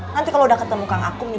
nanti kalau udah ketemu kang aku